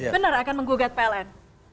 benar akan menggugat pln